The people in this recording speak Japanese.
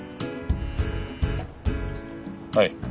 はい。